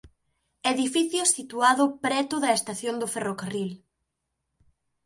Edificio situado preto da estación do ferrocarril.